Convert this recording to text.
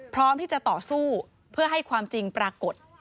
พร้อมที่จะต่อสู้เพื่อให้ความจริงปรากฏ